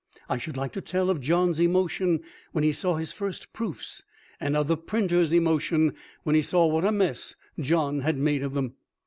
I should like to tell of John's emotion when he saw his first proofs and of the printer's emotion when he saw what a mess John had made of them.